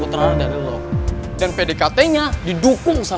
ipa dan ips